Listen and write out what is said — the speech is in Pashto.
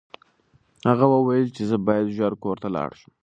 هغه وویل چې زه باید ژر کور ته لاړ شم.